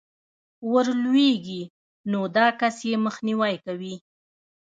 ورلوېږي، نو دا كس ئې مخنيوى كوي